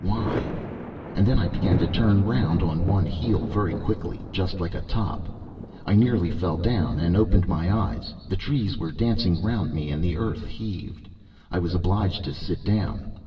Why? And then I began to turn round on one heel very quickly, just like a top. I nearly fell down, and opened my eyes; the trees were dancing round me and the earth heaved; I was obliged to sit down.